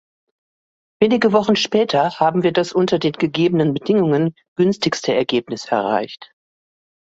Wenige Wochen später haben wir das unter den gegebenen Bedingungen günstigste Ergebnis erreicht.